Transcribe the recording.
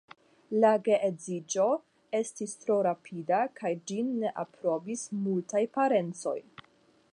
La geedziĝo estis tro rapida kaj ĝin ne aprobis multaj parencoj.